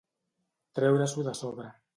Treure-s'ho de sobre.